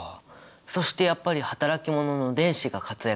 そしてやっぱり働き者の電子が活躍してたね。